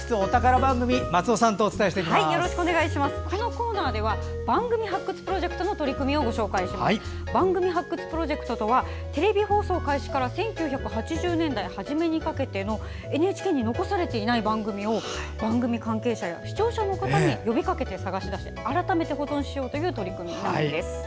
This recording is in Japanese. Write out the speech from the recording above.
番組発掘プロジェクトとはテレビ放送開始から１９８０年代はじめにかけてのＮＨＫに残されていない番組を番組関係者や視聴者の方に呼びかけて探し出し改めて保存しようという取り組みです。